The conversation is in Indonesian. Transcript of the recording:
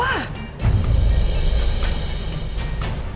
buat berhentiin penyelidikan kalian